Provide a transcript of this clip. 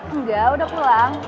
enggak udah pulang